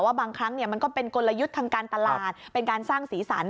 บางครั้งมันก็เป็นกลยุทธ์ทางการตลาดเป็นการสร้างสีสัน